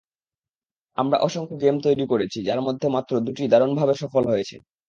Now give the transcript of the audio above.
আমরা অসংখ্য গেম তৈরি করেছি, যার মধ্যে মাত্র দুটি দারুণভাবে সফল হয়েছে।